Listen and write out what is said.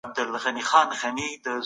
حضوري تدريس پوښتنو ته سمدستي ځواب ورکوي.